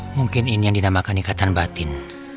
mungkin ini yang dinamakan ikatan batin